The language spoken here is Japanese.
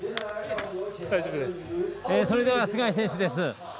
それでは、須貝選手です。